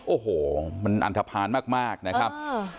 โอ้โหมันอันทภาณมากนะครับ